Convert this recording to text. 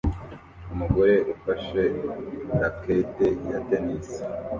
Umugore ufashe racket ya tennis